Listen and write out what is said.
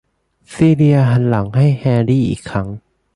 ซีเลียหันหลังให้แฮร์รี่อีกครั้ง